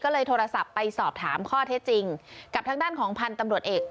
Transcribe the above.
ก็เลยโทรศัพท์ไปสอบถามข้อเท็จจริงกับทางด้านของพันธุ์ตำรวจเอก